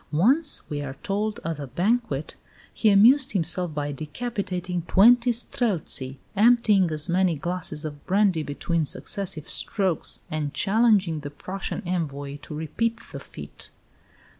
Once, we are told, at a banquet, he "amused himself by decapitating twenty Streltsy, emptying as many glasses of brandy between successive strokes, and challenging the Prussian envoy to repeat the feat."